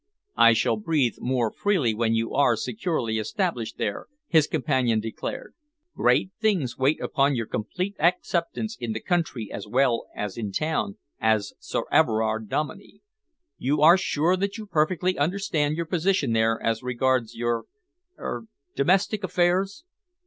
"I shall breathe more freely when you are securely established there," his companion declared. "Great things wait upon your complete acceptance, in the country as well as in town, as Sir Everard Dominey. You are sure that you perfectly understand your position there as regards your er domestic affairs?"